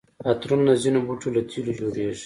عطرونه د ځینو بوټو له تېلو جوړیږي.